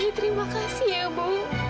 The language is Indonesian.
terima kasih ya bu